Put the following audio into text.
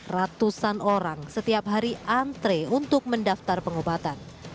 ratusan orang setiap hari antre untuk mendaftar pengobatan